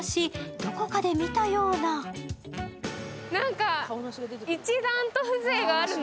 どこかで見たような何か一段と風情があるね。